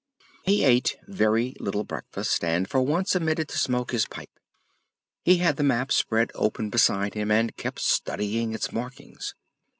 He ate very little breakfast, and for once omitted to smoke his pipe. He had the map spread open beside him, and kept studying its markings.